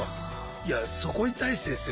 いやそこに対してですよ。